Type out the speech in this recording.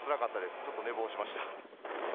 ちょっと寝坊しました。